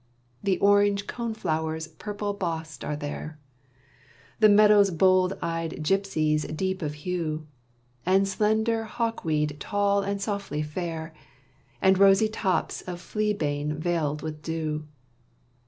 The orange cone flowers purple bossed are there, The meadow's bold eyed gypsies deep of hue, And slender hawkweed tall and softly fair, And rosy tops of fleabane veiled with dew.